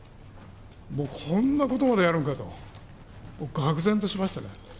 もうこんなことまでやるんかと、がく然としましたね。